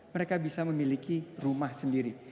mereka bisa memiliki rumah sendiri